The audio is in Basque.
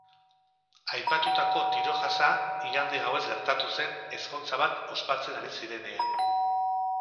Aipatutako tiro-jasa igande gauez gertatu zen, ezkontza bat ospatzen ari zirenean.